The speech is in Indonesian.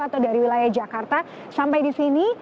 atau dari wilayah jakarta sampai di sini